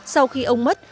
sau khi ông mất